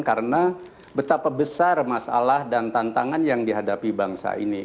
karena betapa besar masalah dan tantangan yang dihadapi bangsa ini